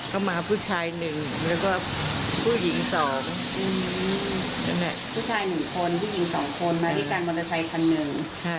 เข้ามาผู้ชายหนึ่งแล้วก็ผู้หญิงสอง